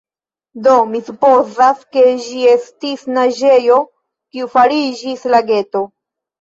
Do, mi supozas, ke ĝi estis naĝejo kiu fariĝis lageto.